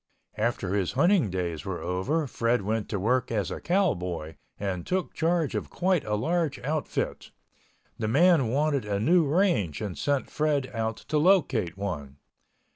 After his hunting days were over, Fred went to work as a cowboy and took charge of quite a big outfit. The man wanted a new range and sent Fred out to locate one.